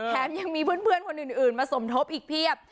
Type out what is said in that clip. ยังมีเพื่อนคนอื่นมาสมทบอีกเพียบ